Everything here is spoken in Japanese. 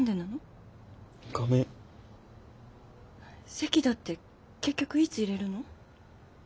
籍だって結局いつ入れるの？